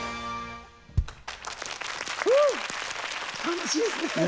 楽しいですね。